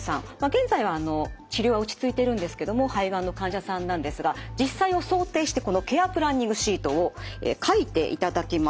現在は治療は落ちついてるんですけども肺がんの患者さんなんですが実際を想定してこのケア・プランニングシートを書いていただきました。